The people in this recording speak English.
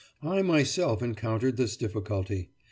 I myself encountered this difficulty.